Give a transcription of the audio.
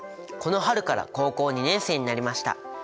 この春から高校２年生になりました。